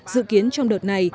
dự kiến trong đợt này